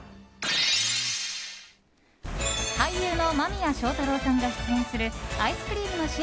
俳優の間宮祥太朗さんが出演するアイスクリームの新